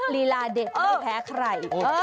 ลีลาเด็ดไม่แพ้ใคร